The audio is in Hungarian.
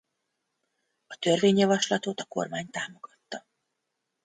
A törvényjavaslatot a Kormány támogatta.